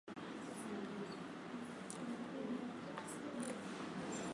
ile mapenzi tunaendeleza katika